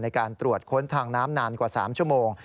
ในการตรวจค้นทางน้ำนานกว่า๓ชั่วโมง